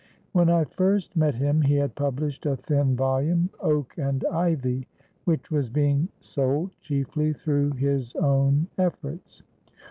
When I first met him he had published a thin volume, "Oak and Ivy," which was being sold chiefly through his own efforts.